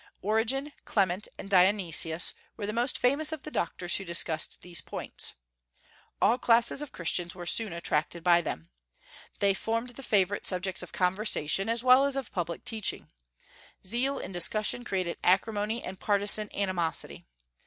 Origen, Clement, and Dionysius were the most famous of the doctors who discussed these points. All classes of Christians were soon attracted by them. They formed the favorite subjects of conversation, as well as of public teaching. Zeal in discussion created acrimony and partisan animosity.